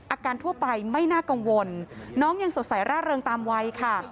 ทั่วไปไม่น่ากังวลน้องยังสดใสร่าเริงตามวัยค่ะ